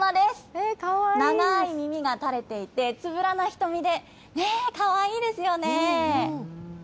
長い耳が垂れていて、つぶらな瞳で、かわいいですよね。